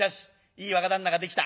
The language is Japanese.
いい若旦那ができた。